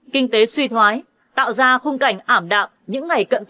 kinh tế suy thoái tạo ra khung cảnh ảm đạm những ngày cận tết